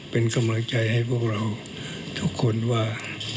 เป็นกำลังใจให้พวกเราทุกคนว่า